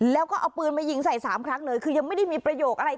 แล้วก็เอาปืนมายิงใส่๓ครั้งเลยคือยังไม่ได้มีประโยคอะไร